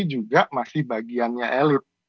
juga masih bagiannya elit